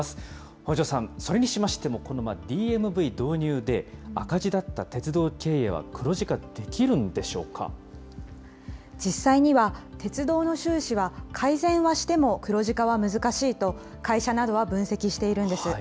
北城さん、それにしましても、このＤＭＶ導入で、赤字だった鉄道実際には、鉄道の収支は改善はしても黒字化は難しいと、会社などは分析しているんです。